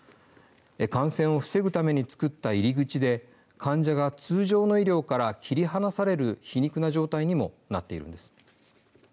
感染を防ぐために作った入り口で患者が通常の医療から切り離される皮肉な状態にもなっているんです。